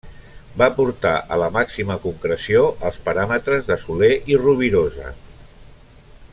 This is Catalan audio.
Va portar a la màxima concreció els paràmetres de Soler i Rovirosa.